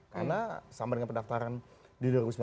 karena sama dengan pendaftaran di dua ribu sembilan belas